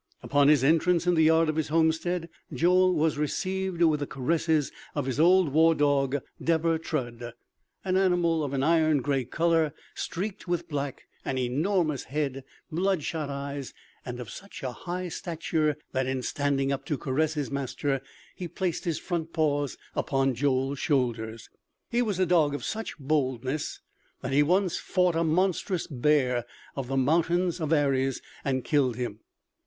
Upon his entrance in the yard of his homestead, Joel was received with the caresses of his old war dog Deber Trud, an animal of an iron grey color streaked with black, an enormous head, blood shot eyes, and of such a high stature that in standing up to caress his master he placed his front paws upon Joel's shoulders. He was a dog of such boldness that he once fought a monstrous bear of the mountains of Arres, and killed him.